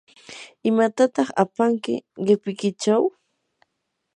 ¿imatataq apanki qipikichaw?